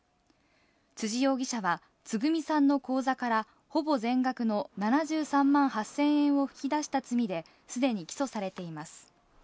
辻容疑者は、つぐみさんの口座からほぼ全額の７３万８０００円を引き出した罪で、すでに起訴されています。